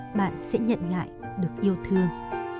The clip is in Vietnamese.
nhưng nếu bạn trao yêu thương